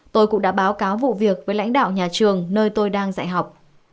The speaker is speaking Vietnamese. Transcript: tôi cũng đã báo cáo vụ việc với lãnh đạo nhà trường nơi tôi đang dạy học